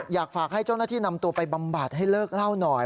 อยากฝากให้เจ้าหน้าที่นำตัวไปบำบัดให้เลิกเล่าหน่อย